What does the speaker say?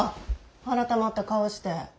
改まった顔して。